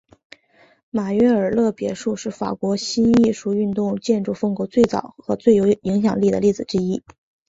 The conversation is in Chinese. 马约尔勒别墅是法国新艺术运动建筑风格最早和最有影响力的例子之一。